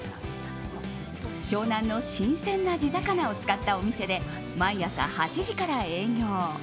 湘南の新鮮な地魚を使ったお店で毎朝８時から営業。